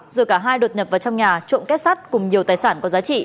rồi cả hai đột nhập vào trong nhà trộn kết sắt cùng nhiều tài sản có giá trị